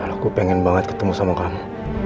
aku pengen banget ketemu sama kamu